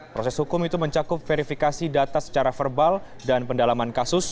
proses hukum itu mencakup verifikasi data secara verbal dan pendalaman kasus